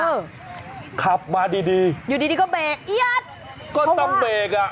เออขับมาดีอยู่ดีก็เบรกยัดก็ต้องเบรก